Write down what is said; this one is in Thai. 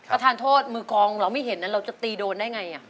ประธานโทษมือกองเราไม่เห็นนะเราจะตีโดนได้ไง